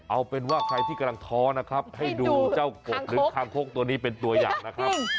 เอาเป็นว่าใครที่กำลังท้อนะครับให้ดูเจ้ากบหรือคางคกตัวนี้เป็นตัวอย่างนะครับ